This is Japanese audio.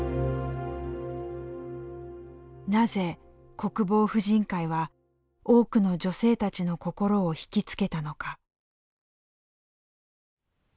なぜ国防婦人会は多くの女性たちの心をひきつけたのか。